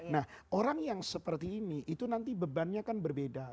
nah orang yang seperti ini itu nanti bebannya kan berbeda